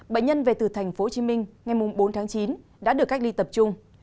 bệnh nhân về từ tp hcm ngày bốn tháng chín đã được cách ly tập trung